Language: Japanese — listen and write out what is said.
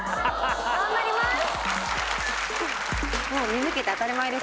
頑張ります